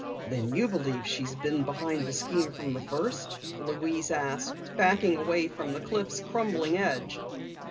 "Then you believe she's been behind the scheme from the first?" Louise asked, backing away from the cliff's crumbling edge.